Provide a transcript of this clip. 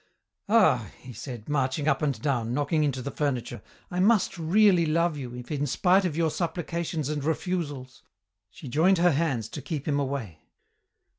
"Ah!" he said, marching up and down, knocking into the furniture, "I must really love you, if in spite of your supplications and refusals " She joined her hands to keep him away.